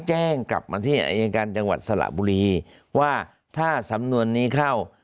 แจ้งกลับมาที่อายการจังหวัดสระบุรีว่าถ้าสำนวนนี้เข้า